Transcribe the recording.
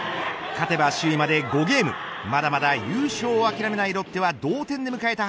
勝てば首位まで５ゲームまだまだ優勝を諦めないロッテは同点で迎えた